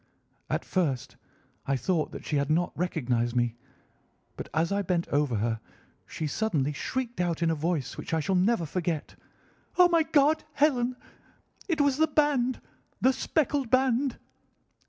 At first I thought that she had not recognised me, but as I bent over her she suddenly shrieked out in a voice which I shall never forget, 'Oh, my God! Helen! It was the band! The speckled band!